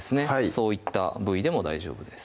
そういった部位でも大丈夫です